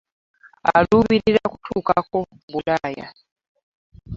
Aluubirira kutuukako Bulaaya.